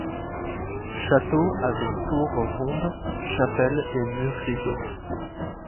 Château avec tour ronde, chapelle et mur rideau.